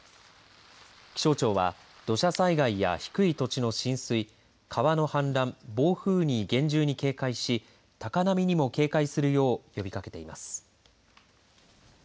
気象庁は土砂災害や低い土地の浸水川の氾濫、暴風に厳重に警戒し高波にも警戒するよう呼びかけています。